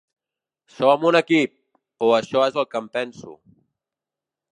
Som un equip, o això és el que em penso.